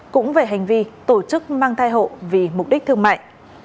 cũng về hành vi tổ chức mang thai hộ vì mục đích thương mại